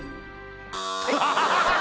ハハハハッ！